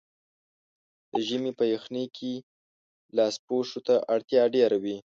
د ژمي په یخنۍ کې لاسپوښو ته اړتیا ډېره وي.